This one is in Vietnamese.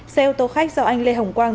xe ô tô khách do anh lê hồng quang